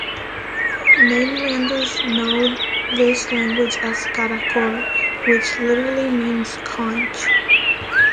Mainlanders know this language as "Caracol", which literally means 'conch'.